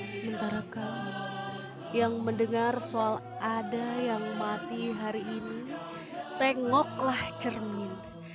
sementara kau yang mendengar soal ada yang mati hari ini tengoklah cermin